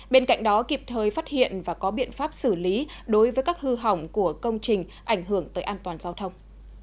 bên cạnh đó kịp thời phát hiện và có biện pháp xử lý đối với các hư hỏng của công trình ảnh hưởng tới an toàn giao thông